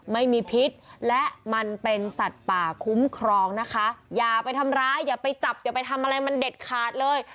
ไม่มีพิษและมันเป็นสัตว์ป่าคุ้มครองนะคะอย่าไปทำร้ายอย่าไปจับอย่าไปทำอะไรมันเด็ดขาดเลย